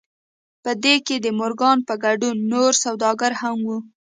په دې کې د مورګان په ګډون نور سوداګر هم وو